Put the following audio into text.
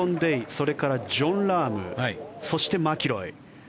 それからジョン・ラームそしてマキロイ。